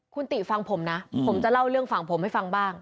คุณติฟังผมนะผมจะเล่าเรื่องฝั่งผมให้ฟังบ้าง